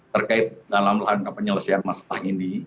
terkait dalam langkah penyelesaian masalah ini